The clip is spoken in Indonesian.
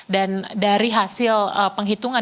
dan dari hasil penghitungan